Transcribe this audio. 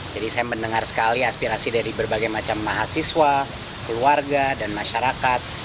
jadi saya mendengar sekali aspirasi dari berbagai macam mahasiswa keluarga dan masyarakat